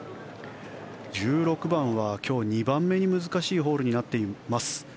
１６番は今日２番目に難しいホールになっています。